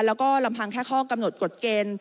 แล้วก็ลำพังแค่ข้อกำหนดกฎเกณฑ์